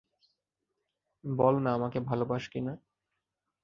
বল না, আমাকে ভালো পাস কি না?